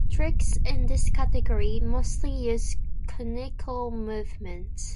Tricks in this category mostly use conical movements.